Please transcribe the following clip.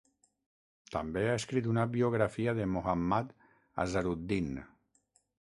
També ha escrit una biografia de Mohammad Azharuddin.